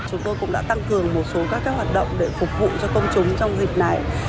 chúng tôi cũng đã tăng cường một số các hoạt động để phục vụ cho công chúng trong dịp này